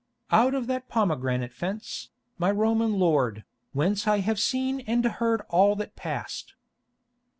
"Out of that pomegranate fence, my Roman lord, whence I have seen and heard all that passed."